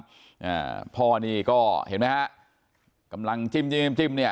อ่าพ่อนี่ก็เห็นไหมฮะกำลังจิ้มจิ้มจิ้มเนี่ย